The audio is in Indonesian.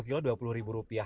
satu kg dua puluh rupiah